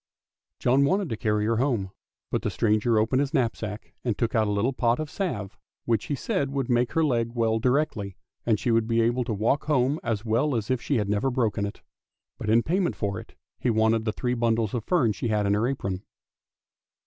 John wanted to carry her home, but the stranger opened his knapsack, and took out a little pot of salve, which he said would make her leg well directly, and she would be able to walk home as well as if she had never broken it. But in payment for it he wanted the three bundles of fern she had in her apron.